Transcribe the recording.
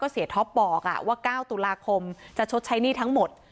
เสียท็อปบอกว่า๙ตุลาคมจะชดใช้หนี้ทั้งหมด